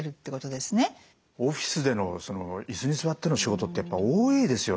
オフィスでの椅子に座っての仕事ってやっぱ多いですよね。